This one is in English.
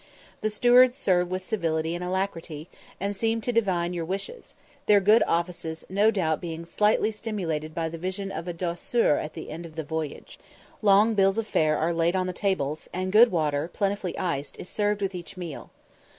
The stewards serve with civility and alacrity, and seem to divine your wishes, their good offices no doubt being slightly stimulated by the vision of a douceur at the end of the voyage. Long bills of fare are laid on the tables, and good water, plentifully iced, is served with each meal.